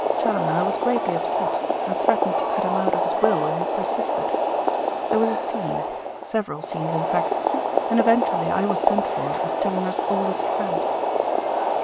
Challoner was greatly upset, and threatened to cut him out of his will if he persisted. There was a scene, several scenes in fact, and eventually I was sent for as Challoner's oldest friend."